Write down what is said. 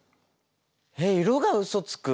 えっ色がうそつく？